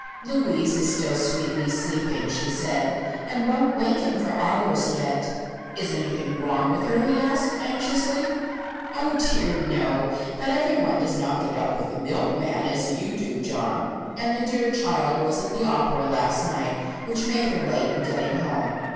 "Louise is still sweetly sleeping," she said, "and won't waken for hours yet." "Is anything wrong with her?" he asked, anxiously. "Oh, dear, no! but everyone does not get up with the milkman, as you do, John; and the dear child was at the opera last night, which made her late in getting home."